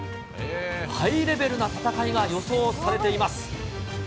ハイレベルな戦いが予想されています。